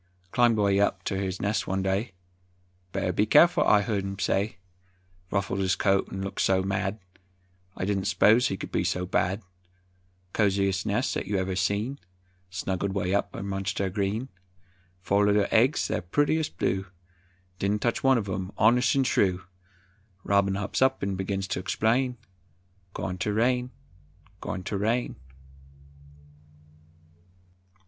Climbed way up ter his nest one day, "Better be careful," I heard him say; Ruffled his coat 'n looked so mad, I didn't 'spose he could be so bad. Coziest nest 'at ever you seen, Snuggled way up amongst ther green; Four little eggs, ther purtiest blue, Didn't touch one uv 'em, honest 'n true! Robin hops on 'n begins ter explain, "Goin' ter rain, goin' ter rain!"